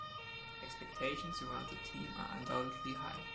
Expectations around the team are undoubtedly high.